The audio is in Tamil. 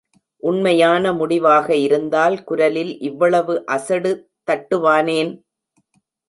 உண்மையான முடிவாக இருந்தால் குரலில் இவ்வளவு அசடு தட்டுவானேன்?